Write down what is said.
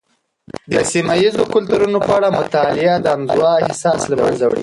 د سيمه یيزو کلتورونو په اړه مطالعه، د انزوا احساس له منځه وړي.